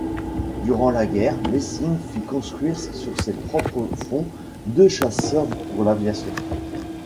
Durant la guerre, Messing fit construire sur ses propres fonds deux chasseurs pour l'aviation.